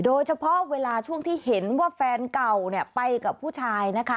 เวลาช่วงที่เห็นว่าแฟนเก่าไปกับผู้ชายนะคะ